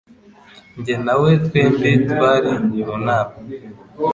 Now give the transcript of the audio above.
Jye na We twembi twari mu nama.